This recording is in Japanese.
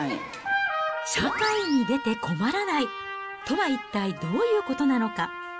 社会に出て困らないとは、一体どういうことなのか。